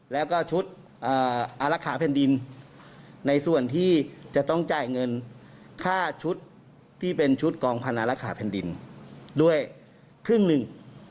แล้วก็ชุดอารักษาแผ่นดินในส่วนที่จะต้องจ่ายเงินค่าชุดที่เป็นชุดกองพนารักษาแผ่นดินด้วยครึ่งหนึ่ง